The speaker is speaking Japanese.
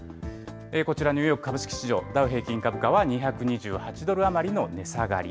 こちら、ニューヨーク株式市場ダウ平均株価は２２８ドル余りの値下がり。